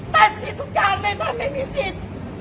แต่สิทุกการณ์เลยท่านไม่มีสิทธิ์